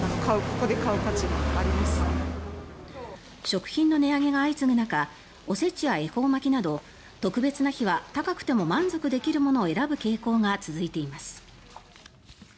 食品の値上げが相次ぐ中お節や恵方巻きなど特別な日は高くても満足できるものを選ぶ傾向が続いています。